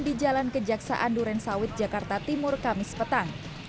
di jalan kejaksaan duren sawit jakarta timur kamis petang